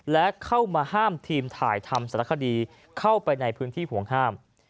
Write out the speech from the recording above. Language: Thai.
และเข้ามาห้ามทีมถ่ายทำสารคดีเข้าไปในพื้นที่ห่วงห้าม